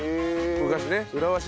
昔ね。